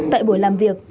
tại buổi làm việc